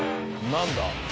・・何だ？